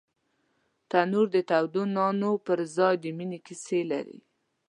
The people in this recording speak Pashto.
تنور د تودو نانو پر ځای د مینې کیسې لري